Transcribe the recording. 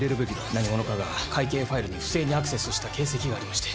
何者かが会計ファイルに不正にアクセスをした形跡がありまして。